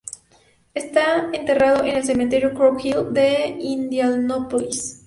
Está enterrado en el cementerio Crown Hill de Indianápolis, Indiana.